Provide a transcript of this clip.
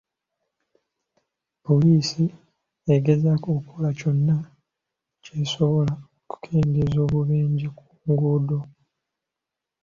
Poliisi egezaako okukola kyonna ky'esobola okukendeeza obubenje ku nguudo.